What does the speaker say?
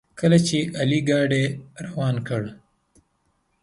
کله چې علي ګاډي روان کړ.